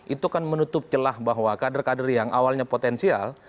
itu kan menutup celah bahwa kader kader yang awalnya potensial